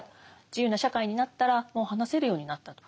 自由な社会になったらもう話せるようになったと。